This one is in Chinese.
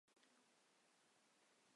段氏出身于段部鲜卑家族。